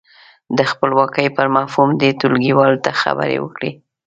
د خپلواکۍ پر مفهوم دې ټولګیوالو ته خبرې وکړي.